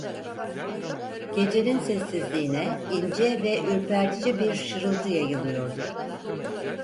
Gecenin sessizliğine ince ve ürpertici bir şırıltı yayılıyordu.